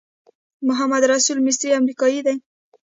محمدرسول مصری امریکایی دی.